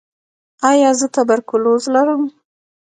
ایا زه تبرکلوز لرم؟